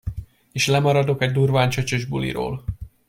És lemaradok egy durván csöcsös buliról.